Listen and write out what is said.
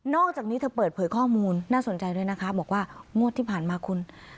อกจากนี้เธอเปิดเผยข้อมูลน่าสนใจด้วยนะคะบอกว่างวดที่ผ่านมาคุณ